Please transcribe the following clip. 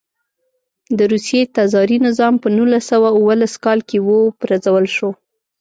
د روسیې تزاري نظام په نولس سوه اوولس کال کې و پرځول شو.